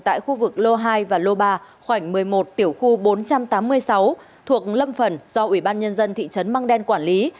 tại khu vực lô hai và lô ba khoảnh một mươi một tiểu khu bốn trăm tám mươi sáu thuộc lâm phần do ủy ban nhân dân thị trấn măng đen quản lý